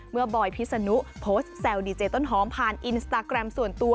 บอยพิษนุโพสต์แซวดีเจต้นหอมผ่านอินสตาแกรมส่วนตัว